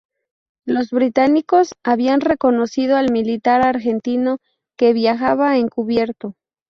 Los británicos habían reconocido al militar argentino que viajaba encubierto.